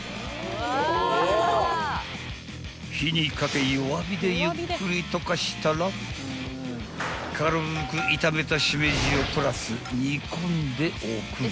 ［火にかけ弱火でゆっくり溶かしたら軽く炒めたシメジをプラス煮込んでおく］